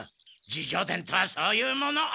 自叙伝とはそういうもの。